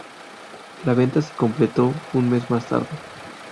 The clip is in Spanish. La venta se completó un mes más tarde.